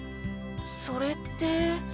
それって。